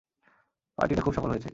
পার্টিটা খুব সফল হয়েছে।